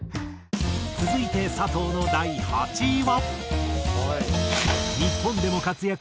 続いて佐藤の第８位は。